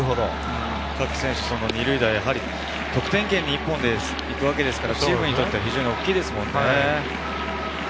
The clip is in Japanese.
各選手２塁打は得点圏に一本で行くわけですから、チームにとっては大きいですよね。